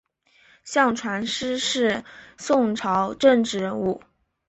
向传师是宋朝政治人物。